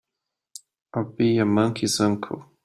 I'll be a monkey's uncle!